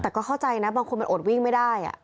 แต่ก็เข้าใจนะบางคนมันอดวิ่งไม่ได้